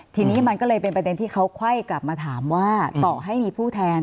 ทีนี้มันก็เลยเป็นประเด็นที่เขาไขว้กลับมาถามว่าต่อให้มีผู้แทน